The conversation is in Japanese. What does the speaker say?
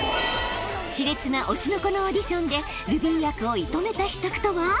熾烈な『推しの子』のオーディションでルビー役を射止めた秘策とは？